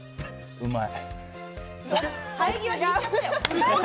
うまい。